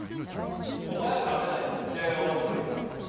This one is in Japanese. お前はダメだいつも試合が終わった時は。